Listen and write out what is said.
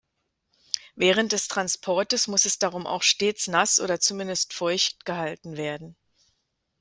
Während des Transportes muss es darum auch stets nass oder zumindest feucht gehalten werden.